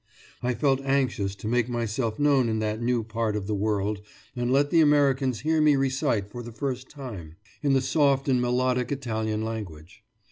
I felt anxious to make myself known in that new part of the world, and let the Americans hear me recite for the first time, in the soft and melodic Italian language.